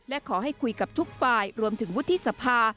และขอให้คุยกับทุกฝ่ายรวมถึงวุฒิสภา